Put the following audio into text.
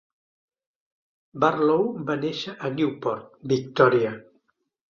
Barlow va néixer a Newport, Victòria.